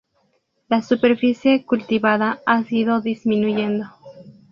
La superficie cultivada ha ido disminuyendo.